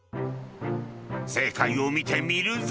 正解を見てみるぞ。